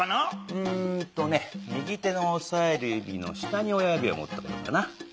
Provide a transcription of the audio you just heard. うんとね右手のおさえるゆびの下に親ゆびをもってこようかな。